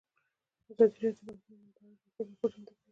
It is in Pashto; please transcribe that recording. ازادي راډیو د بانکي نظام په اړه تفصیلي راپور چمتو کړی.